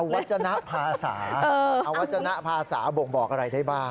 เอาวัจณภาษาเอาวัจณภาษาบ่งบอกอะไรได้บ้าง